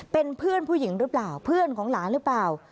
เป็นเพื่อนผู้หญิงหรือเปล่าเพื่อนของหลานหรือเปล่า